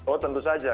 oh tentu saja